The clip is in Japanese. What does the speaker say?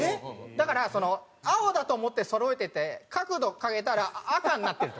だから青だと思ってそろえてて角度を変えたら赤になってるとか。